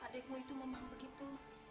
adekmu itu memang begitu